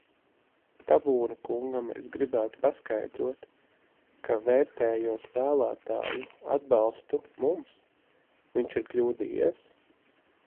Tabūna kungam es gribu paskaidrot, ka, vērtējot vēlētāju atbalstu mums, viņš ir kļūdījies.